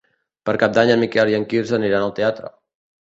Per Cap d'Any en Miquel i en Quirze aniran al teatre.